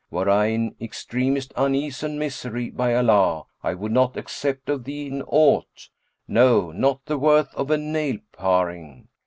Were I in extremest unease and misery, by Allah, I would not accept of thee aught; no, not the worth of a nail paring!